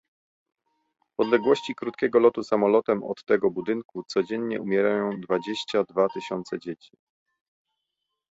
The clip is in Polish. W odległości krótkiego lotu samolotem od tego budynku codziennie umierają dwadzieścia dwa tysiące dzieci